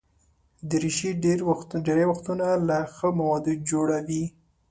دریشي ډېری وختونه له ښه موادو جوړه وي.